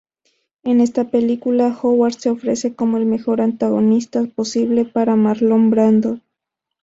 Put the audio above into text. En esta película, Howard se ofrece como el mejor antagonista posible para Marlon Brando.